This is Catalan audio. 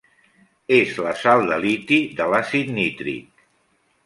És la sal de liti de l'àcid nítric.